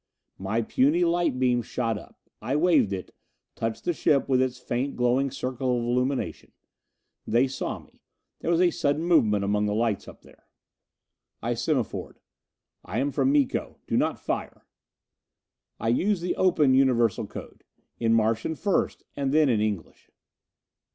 My puny light beam shot up. I waved it, touched the ship with its faint glowing circle of illumination. They saw me. There was a sudden movement among the lights up there. I semaphored: "I am from Miko. Do not fire." I used the open Universal Code. In Martian first, and then in English.